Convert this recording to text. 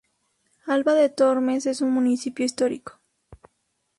Alba de Tormes es un municipio histórico.